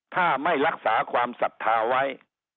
ถ้าไม่รักษาความศรัทธาไว้